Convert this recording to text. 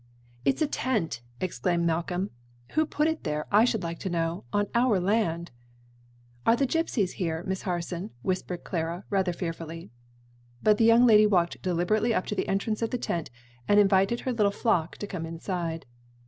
"It's a tent!" exclaimed Malcolm. "Who put it there, I should like to know, on our land?" "Are there gypsies here, Miss Harson?" whispered Clara, rather fearfully. But the young lady walked deliberately up to the entrance of the tent and invited her little flock to come inside.